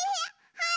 はい！